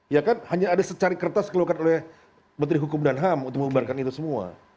ya kan hanya ada secari kertas keluarkan oleh menteri hukum dan ham untuk membubarkan itu semua